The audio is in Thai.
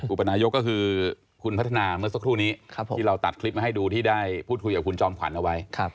อุปนายกก็คือคุณพัฒนาเมื่อสักครู่นี้ที่เราตัดคลิปมาให้ดูที่ได้พูดคุยกับคุณจอมขวัญเอาไว้